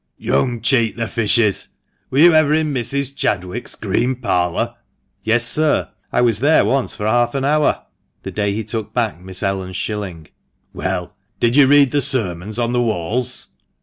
"Young Cheat the fishes, were you ever in Mrs. Chad wick's green parlour?" " Yes, sir — I was there once for half an hour." (The day he took back Miss Ellen's shilling.) "Well, did you read the sermons on the walls?"